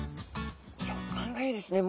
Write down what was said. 食感がいいですね